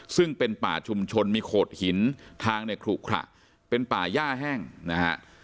ซึ่งเป็นป่าชุมชนมีโขดหินทางเนี่ยขลุขระเป็นป่าย่าแห้งนะฮะ